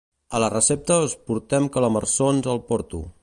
A la recepta us portem calamarsons al Porto